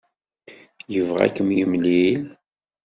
Yebɣa ad k-yemlil.